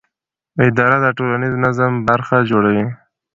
اداره د ټولنیز نظم برخه جوړوي.